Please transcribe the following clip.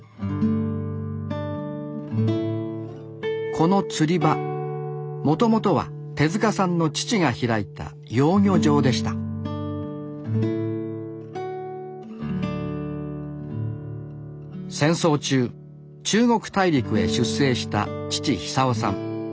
この釣り場もともとは手さんの父が開いた養魚場でした戦争中中国大陸へ出征した父久夫さん。